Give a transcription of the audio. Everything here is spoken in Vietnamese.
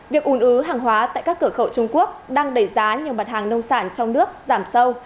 việc ủn ứ hàng hóa tại các cửa khẩu trung quốc đang đẩy giá những bản hàng nông sản trong nước giảm sâu